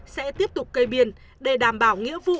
sẽ tiếp tục cây biên để đảm bảo nghĩa vụ